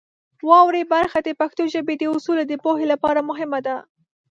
واورئ برخه د پښتو ژبې د اصولو د پوهې لپاره مهمه ده.